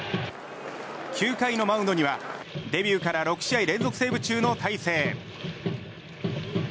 ９回のマウンドにはデビューから６試合連続セーブ中の大勢。